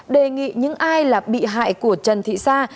đề nghị những ai là bị hại của trần thị sa